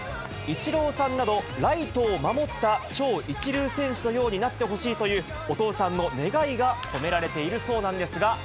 イチローさんなど、ライトを守った超一流選手のようになってほしいという、お父さんの願いが込められているそうなんですが。